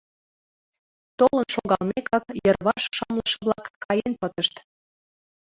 Толын шогалмекак, йырваш шымлыше-влак каен пытышт.